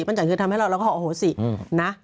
ปั้นจันคือทำให้เราเราก็ขออาโหสินะ